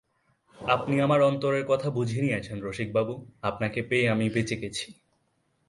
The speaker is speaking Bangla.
আপনি আমার অন্তরের কথা বুঝে নিয়েছেন রসিকবাবু, আপনাকে পেয়ে আমি বেঁচে গেছি।